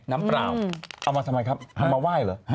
ทำมาไหว้เหรอ